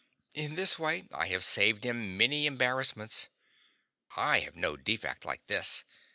In this way I have saved him many embarrassments. I have no defect like this.